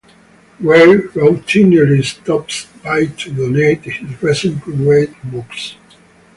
Gray routinely stops by to donate his recently read books.